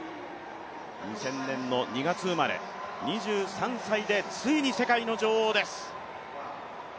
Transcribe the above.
２０００年の２月生まれ、２３歳でついに世界の女王です。